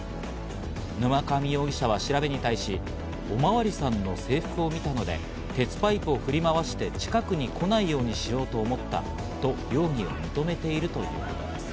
沼上容疑者は調べに対し、おまわりさんの制服を見たので、鉄パイプを振り回して近くに来ないようにしようと思ったと容疑を認めているということです。